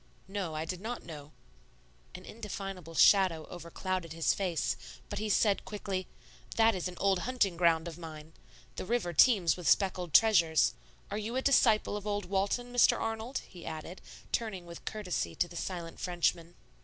"No, I did not know;" an indefinable shadow over clouded his face, but he said quickly, "That is an old hunting ground of mine. The river teems with speckled treasures. Are you a disciple of old Walton, Mr. Arnold?" he added, turning with courtesy to the silent Frenchman.